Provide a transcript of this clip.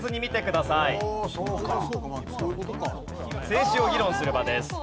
政治を議論する場です。